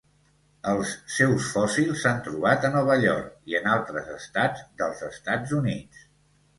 Els seus fòssils s'han trobat a Nova York i en altres estats dels Estats Units.